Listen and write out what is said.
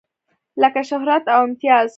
لکه شهرت او امتياز.